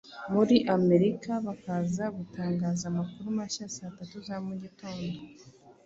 muri Amerika, bakaza gutangaza amakuru mashya saa tatu za mu gitondo